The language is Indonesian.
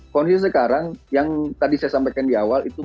kondisi sekarang yang tadi saya sampaikan di awal itu